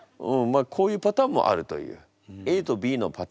こういうパターンもあるという。